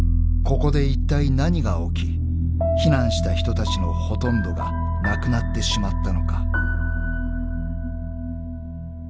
［ここでいったい何が起き避難した人たちのほとんどが亡くなってしまったのか］